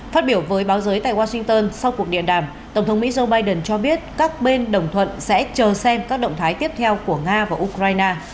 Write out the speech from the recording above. phát biểu với báo giới tại washington sau cuộc điện đàm tổng thống mỹ joe biden cho biết các bên đồng thuận sẽ chờ xem các động thái tiếp theo của nga và ukraine